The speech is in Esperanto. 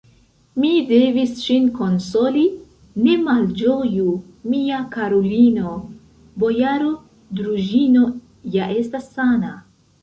Mi devis ŝin konsoli: "ne malĝoju, mia karulino, bojaro Druĵino ja estas sana!"